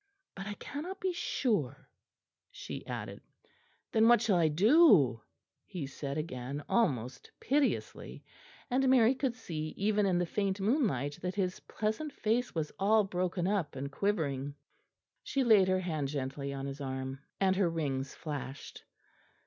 "But I cannot be sure," she added. "Then what shall I do?" he said again, almost piteously; and Mary could see even in the faint moonlight that his pleasant face was all broken up and quivering. She laid her hand gently on his arm, and her rings flashed.